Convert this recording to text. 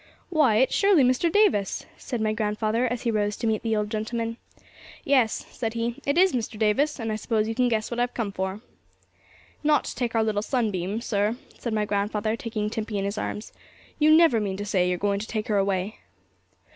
'Why, it's surely Mr. Davis,' said my grandfather, as he rose to meet the old gentleman. 'Yes,' said he, 'it is Mr. Davis; and I suppose you can guess what I've come for.' 'Not to take our little sunbeam, sir,' said my grandfather, taking Timpey in his arms. 'You never mean to say you're going to take her away?'